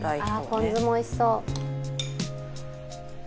「ポン酢もおいしそう」